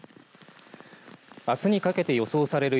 あすにかけて予想される